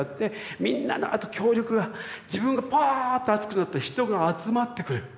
みんなのあと協力が自分がポーッと熱くなると人が集まってくれる。